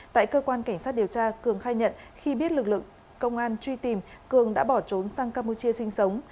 tại cơ quan cảnh sát điều tra cường khai nhận khi biết lực lượng công an truy tìm cường đã bỏ trốn sang campuchia sinh sống